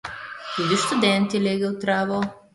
Tudi študent je legel v travo.